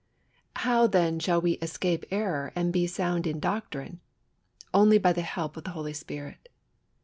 How, then, shall we escape error and be "sound in doctrine"? Only by the help of the Holy Spirit.